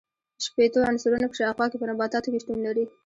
شپیتو عنصرونو په شاوخوا کې په نباتاتو کې شتون لري.